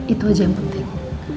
itu aja yang penting